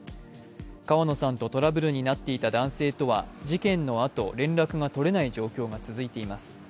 川野さんとトラブルになっていた男性とは事件のあと、連絡が取れない状況が続いています。